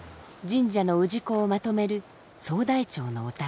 神社の氏子をまとめる総代長のお宅。